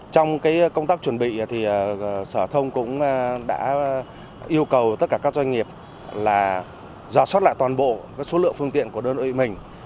trong công tác chuẩn bị sở thông cũng yêu cầu các doanh nghiệp dò sót lại toàn bộ số lượng phương tiện của đơn đội mình